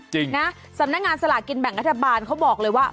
จริงนะสำนักงานสลากินแบ่งรัฐบาลเขาบอกเลยว่า